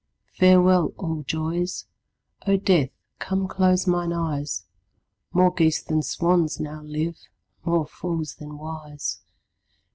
Farewell, all joys; O Death, come close mine eyes; More geese than swans now live, more fools than wise.